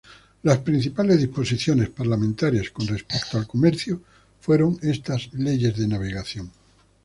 Las principales disposiciones parlamentarias con respecto al comercio fueron estas Leyes de Navegación.